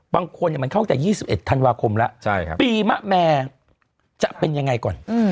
บางคนมันเข้าแต่๒๑ธันวาคมแล้วปีมะแม่จะเป็นยังไงก่อน